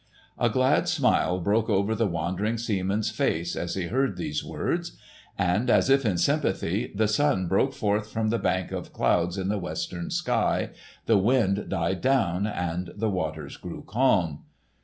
A glad smile broke over the wandering seaman's face as he heard these words. And as if in sympathy the sun broke forth from the bank of clouds in the western sky, the wind died down and the water grew calm.